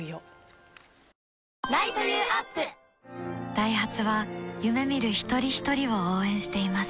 ダイハツは夢見る一人ひとりを応援しています